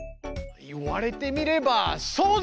言われてみればそうですね。